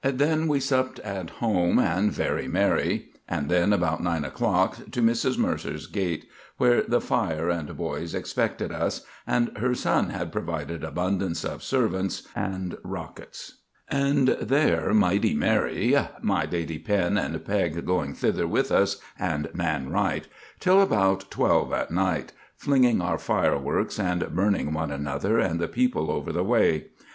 "Then we supped at home, and very merry. And then about 9 o'clock to Mrs. Mercer's gate, where the fire and boys expected us, and her son had provided abundance of serpents and rockets; and there mighty merry (my Lady Pen and Pegg going thither with us, and Nan Wright) till about 12 at night, flinging our fireworks and burning one another and the people over the way.